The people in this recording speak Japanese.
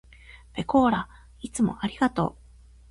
ぺこーらいつもありがとう。